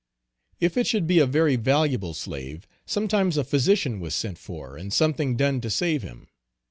If it should be a very valuable slave, sometimes a physician was sent for and something done to save him.